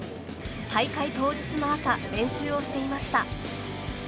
大会当日の朝練習をしていました。